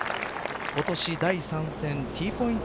今年第３戦Ｔポイント